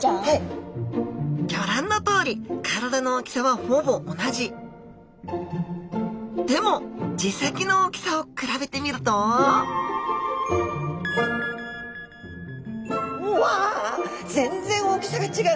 ギョ覧のとおり体の大きさはほぼ同じでも耳石の大きさを比べてみるとうわあ全然大きさが違う。